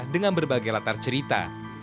dengan berbagai latar cerita